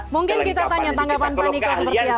mungkin kita tanya tanggapan pak niko seperti apa